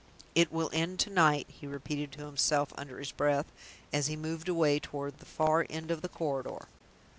"It will end to night!" he repeated to himself, under his breath, as he moved away toward the far end of the corridor.